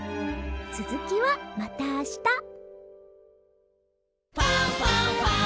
つづきはまたあした「ファンファンファン」